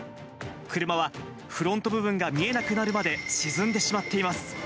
車はフロント部分が見えなくなるまで沈んでしまっています。